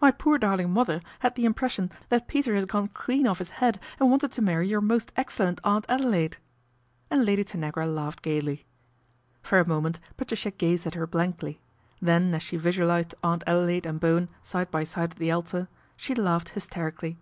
My poor darling mother had; the impression that Peter has gone clean off his> head and wanted to marry your most excellent Aunt Adelaide," and Lady Tanagra laughed I gaily. For a moment Patricia gazed at her blankly, then as she visualised Aunt Adelaide and Bowen side by side at the altar she laughed hysterically.